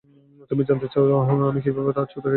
তুমি জানতে চাও যে আমি কিভাবে তার চোদা খেয়েছি?